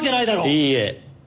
いいえ。